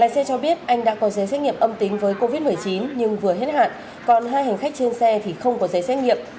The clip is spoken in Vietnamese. xe cho biết anh đã có giấy xét nghiệm âm tính với covid một mươi chín nhưng vừa hết hạn còn hai hành khách trên xe thì không có giấy xét nghiệm